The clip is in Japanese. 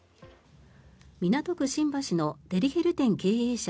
港区新橋のデリヘル店経営者